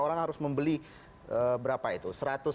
orang harus membeli berapa itu